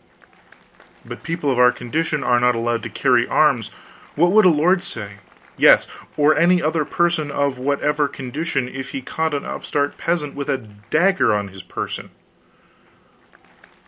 "But people of our condition are not allowed to carry arms. What would a lord say yes, or any other person of whatever condition if he caught an upstart peasant with a dagger on his person?"